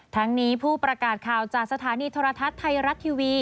ทั้งนี้ผู้ประกาศข่าวจากสถานีโทรทัศน์ไทยรัฐทีวี